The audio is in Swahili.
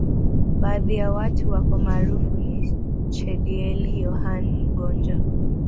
Baadhi ya watu wake maarufu niChedieli Yohane Mgonja